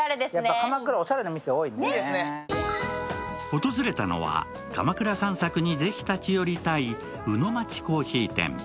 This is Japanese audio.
訪れたのは鎌倉散策にぜひ立ち寄りたいうのまち珈琲店。